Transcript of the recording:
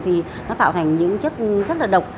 thì nó tạo thành những chất rất là độc